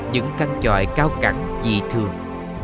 những căn tròi cao cẳng dị thường